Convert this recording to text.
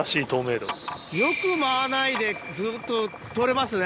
よく舞わないでずっと撮れますね。